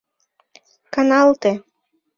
Каналте.